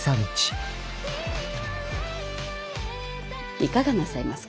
いかがなさいますか。